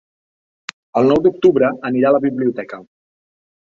El nou d'octubre anirà a la biblioteca.